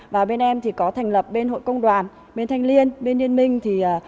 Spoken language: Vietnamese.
và bên em thì có thành lập bên hội công đoàn bên thanh liên bên liên minh thì